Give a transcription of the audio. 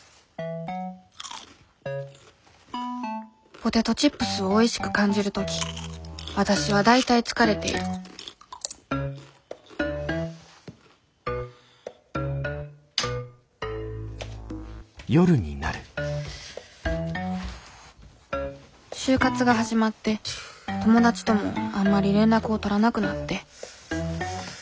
ポテトチップスをおいしく感じる時わたしは大体疲れている就活が始まって友達ともあんまり連絡を取らなくなって。